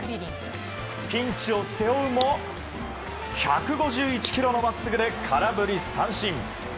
ピンチを背負うも１５１キロの真っすぐで空振り三振。